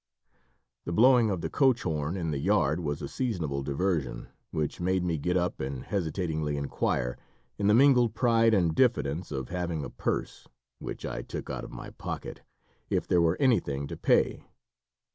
The blowing of the coach horn in the yard was a seasonable diversion, which made me get up and hesitatingly inquire, in the mingled pride and diffidence of having a purse (which I took out of my pocket), if there were anything to pay.